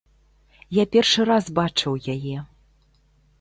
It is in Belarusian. Я першы раз бачыў яе.